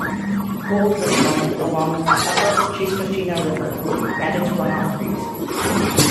Gold was mined along the upper Chistochina River and its runoff creeks.